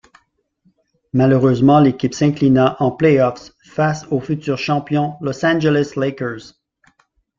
Malheureusement, l'équipe s'inclina en playoffs face au futur champion Los Angeles Lakers.